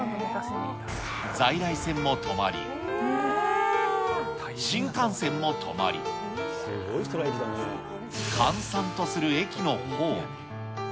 在来線も止まり、新幹線も止まり、閑散とする駅のホーム。